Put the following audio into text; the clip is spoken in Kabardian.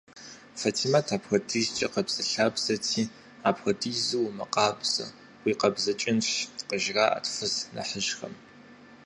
Фэтимэт апхуэдизкӏэ къабзэлъабзэти, «апхуэдизу умыкъабзэ, уикъабзыкӏынщ» къыжраӏэрт фыз нэхъыжьхэм.